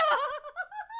ハハハハ！